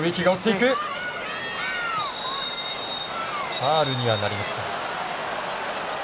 ファウルになりました。